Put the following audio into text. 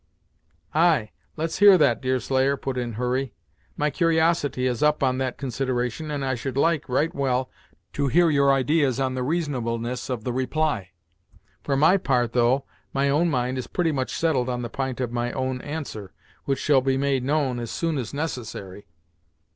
"Ay; let's hear that, Deerslayer," put in Hurry. "My cur'osity is up on that consideration, and I should like, right well, to hear your idees of the reasonableness of the reply. For my part, though, my own mind is pretty much settled on the p'int of my own answer, which shall be made known as soon as necessary."